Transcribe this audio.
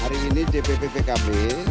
hari ini di bppkb